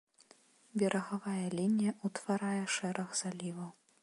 Берагавая лінія ўтварае шэраг заліваў.